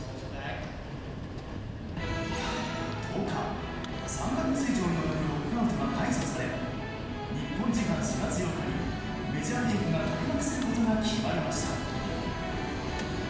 １０日、３か月以上に及ぶロックアウトが解除され日本時間４月８日にメジャーリーグが開幕することが決まりました。